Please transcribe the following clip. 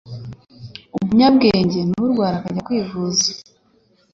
Umunyabwenge ni urwara akajya kwivuza